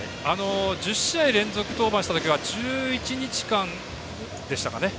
１０試合連続登板した時は１１日間でしたかね。